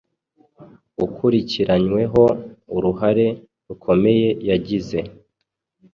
ukurikiranyweho uruhare rukomeye yagize